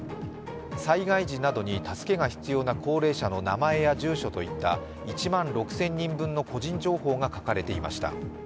災害時などに助けが必要な高齢者の名前や住所といった１万６０００人分の個人情報が書かれていました。